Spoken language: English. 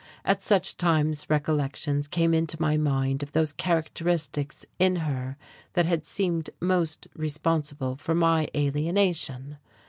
At such times recollections came into my mind of those characteristics in her that had seemed most responsible for my alienation....